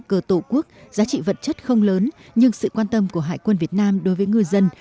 cờ tổ quốc giá trị vật chất không lớn nhưng sự quan tâm của hải quân việt nam đối với ngư dân